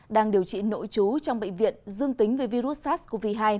đang điều trị nội trú trong bệnh viện dương tính với virus sars cov hai